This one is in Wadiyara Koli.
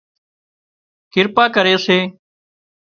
ڪرپا ڪري سي